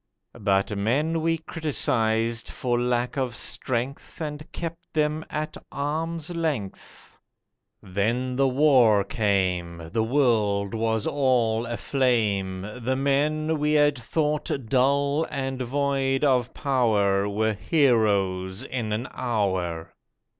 But men we criticised for lack of strength, And kept them at arm's length. Then the war came— The world was all aflame! The men we had thought dull and void of power Were heroes in an hour.